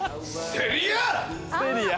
セリア！